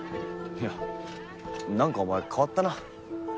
いやなんかお前変わったな。